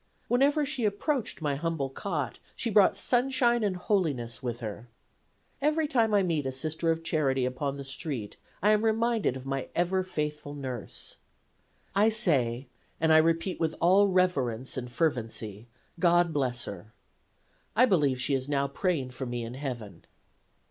Whenever she approached my humble cot she brought sunshine and holiness with her. Every time I meet a Sister of Charity upon the street I am reminded of my ever faithful nurse. I say, and I repeat with all reverence and fervency, God bless her. I believe she is now praying for me in heaven."